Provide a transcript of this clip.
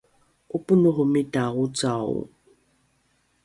’oponohomita ocao